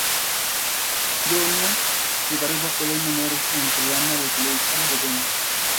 Journal" y varios papeles menores en el programa de televisión de Benny.